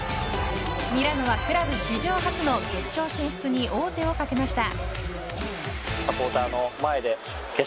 ミラノはクラブ史上初の決勝進出に王手をかけました。